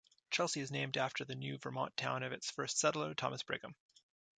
Chelsea is named after the New-Vermont town of its first settler, Thomas Brigham.